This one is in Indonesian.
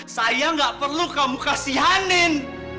saya nggak perlu kamu kasihanin